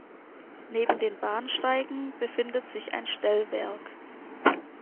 Neben den Bahnsteigen befindet sich ein Stellwerk.